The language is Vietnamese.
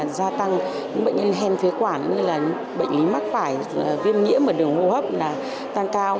gia tăng những bệnh nhân hen phế quản như là bệnh lý mắc phải viêm nhiễm ở đường hô hấp tăng cao